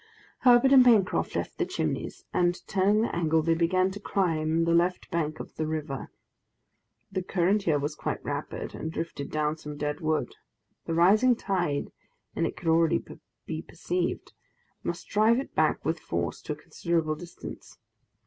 Herbert and Pencroft left the Chimneys, and, turning the angle, they began to climb the left bank of the river. The current here was quite rapid, and drifted down some dead wood. The rising tide and it could already be perceived must drive it back with force to a considerable distance.